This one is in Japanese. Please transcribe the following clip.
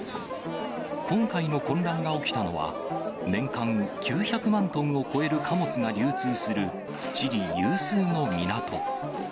今回の混乱が起きたのは、年間９００万トンを超える貨物が流通する、チリ有数の港。